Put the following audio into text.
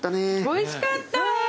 おいしかった！